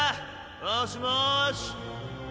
もしもし！